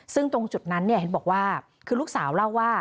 ซึ่งตรงจุดนั้นเห็นบอกว่าคือลูกสาวเล่าว่า